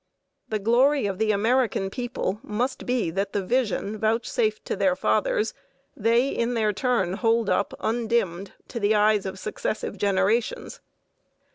The glory of the American people must be that the vision vouchsafed to their fathers they in their turn hold up undimmed to the eyes of successive generations.